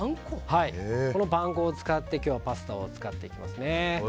このパン粉を使って今日はパスタを作っていきます。